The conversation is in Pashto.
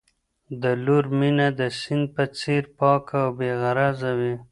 د لور مینه د سیند په څېر پاکه او بې غرضه وي